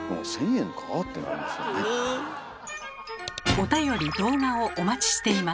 おたより動画をお待ちしています。